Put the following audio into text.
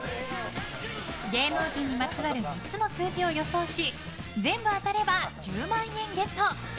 芸能人にまつわる３つの数字を予想し全部当たれば１０万円ゲット！